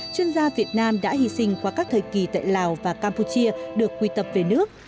chuyên gia việt nam đã hy sinh qua các thời kỳ tại lào và campuchia được quy tập về nước